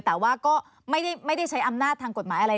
แต่ว่าก็ไม่ได้ใช้อำนาจทางกฎหมายอะไร